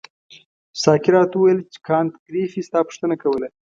ساقي راته وویل چې کانت ګریفي ستا پوښتنه کوله.